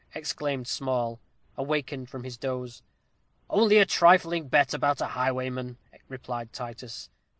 exclaimed Small, awakened from his doze. "Only a trifling bet about a highwayman," replied Titus.